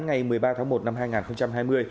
ngày một mươi ba tháng một năm hai nghìn hai mươi